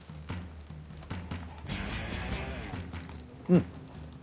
うん。